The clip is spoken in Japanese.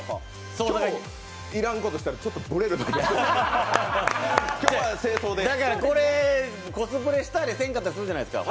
そんないらんことしたら、ちょっとブレるので、これコスプレしたりしなかったりするじゃないですか。